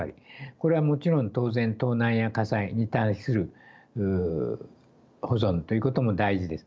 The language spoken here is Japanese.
これはもちろん当然盗難や火災に対する保存ということも大事です。